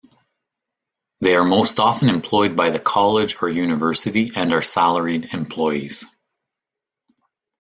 They are most often employed by the college or university and are salaried employees.